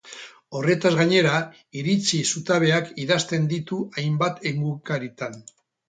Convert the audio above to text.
Horretaz gainera, iritzi-zutabeak idazten ditu hainbat egunkaritan.